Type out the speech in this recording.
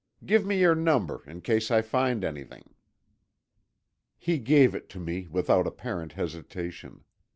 "Give me your number, in case I find anything." He gave it to me without apparent hesitation.